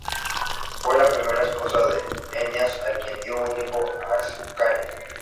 Fue la primera esposa de Eneas, a quien dio un hijo: Ascanio.